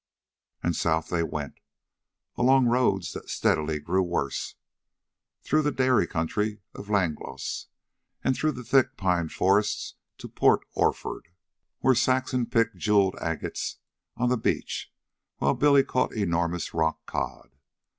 And south they went, along roads that steadily grew worse, through the dairy country of Langlois and through thick pine forests to Port Orford, where Saxon picked jeweled agates on the beach while Billy caught enormous rockcod.